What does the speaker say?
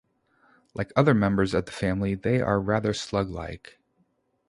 Like other members of the family they are rather sluglike.